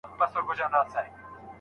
املا د سواد په لاره کي یو اساسي ګام دی.